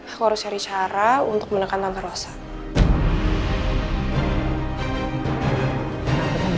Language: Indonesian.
aku harus cari cara untuk menekan tante rosa